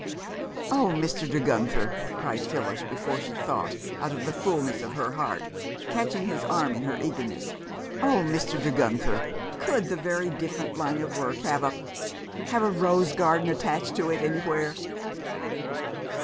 "Oh, Mr. De Guenther!" cried Phyllis before she thought, out of the fulness of her heart, catching his arm in her eagerness; "Oh, Mr. De Guenther, could the Very Different Line of Work have a have a rose garden attached to it anywhere?"